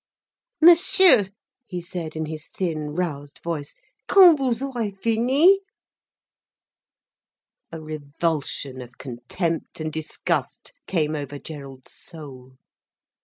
"Monsieur!" he said, in his thin, roused voice: "Quand vous aurez fini—" A revulsion of contempt and disgust came over Gerald's soul.